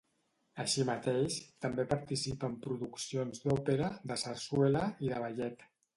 Així mateix, també participa en produccions d'òpera, de sarsuela i de ballet.